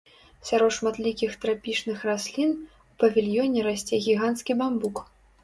Сярод шматлікіх трапічных раслін, у павільёне расце гіганцкі бамбук.